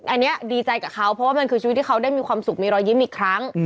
อันนี้ดีใจกับเขาเพราะว่ามันคือชีวิตที่เขาได้มีความสุขมีรอยยิ้มอีกครั้ง